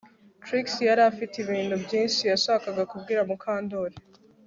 Trix yari afite ibintu byinshi yashakaga kubwira Mukandoli